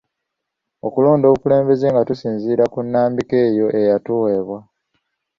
Tulonda obukulembeze nga tusinziira mu nnambika eyo eyatuweebwa